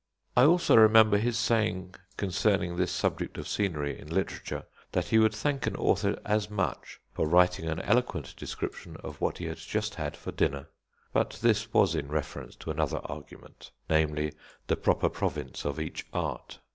I also remember his saying concerning this subject of scenery in literature, that he would thank an author as much for writing an eloquent description of what he had just had for dinner. But this was in reference to another argument; namely, the proper province of each art.